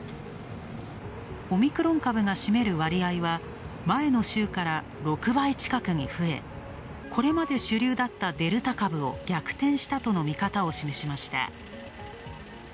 オミクロン株が占める割合は前の週から６倍近くに増え、これまで主流だったデルタ株を逆転したとの見方を示しました。